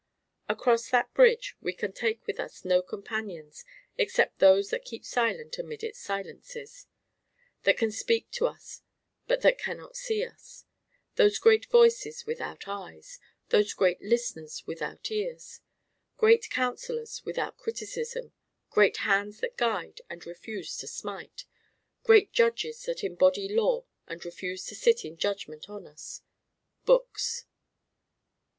Across that bridge we can take with us no companions except those that keep silent amid its silences; that can speak to us but that cannot see us: those great voices without eyes; those great listeners without ears; great counsellors without criticism; great hands that guide and refuse to smite; great judges that embody law and refuse to sit in judgment on us Books.